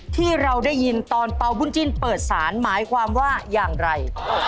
ที่เราได้ยินตอนเป่าบุญจิ้นเปิดสารหมายความว่าอย่างไร